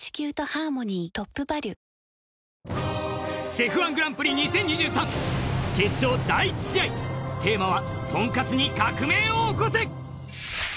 ＣＨＥＦ−１グランプリ２０２３テーマはとんかつに革命を起こせ！